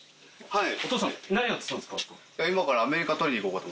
はい。